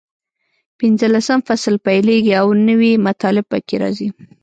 پینځلسم فصل پیلېږي او نوي مطالب پکې راځي.